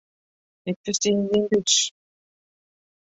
Ik ferstean gjin Dútsk.